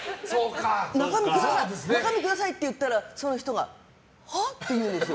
中身くださいって言ったらその人がはあ？って言うんです。